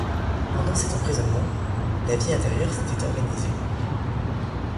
Pendant cet emprisonnement, la vie intérieure s’était organisée.